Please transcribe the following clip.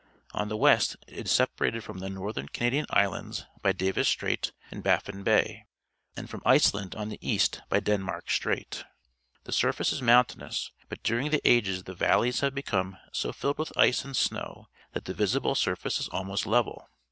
On the west it is separ ated from the northern Canadian islands by Davis Strait and Baffin Bay, and from Iceland on the east by Denmark Strait. A Walrus The surface is mountainous, but during the ages the valleys have become so filled with ice and snow that the \dsible surface is almost level.